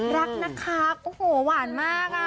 รักน่ะค้าคโหหหหวานมากอ่ะ